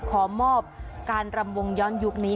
ขอมอบการรำวงย้อนยุคนี้